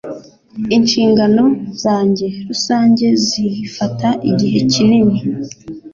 Inshingano zanjye rusange zifata igihe kinini.